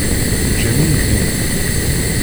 Teǧǧam-iyi-ten-id.